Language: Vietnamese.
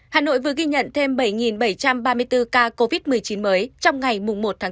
hà nội vừa ghi nhận thêm bảy bảy trăm ba mươi bốn ca covid một mươi chín mới trong ngày một tháng bốn